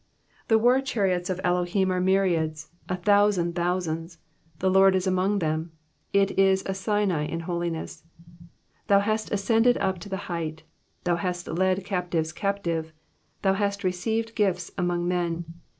18 The war chariots of Elohim are myriads, a thousand thou sands, The Lord is among them, it is a Sinai in holiness. 19 Thou hast ascended up to the height. Thou hast led captives captive. Thou hast received gifts among men.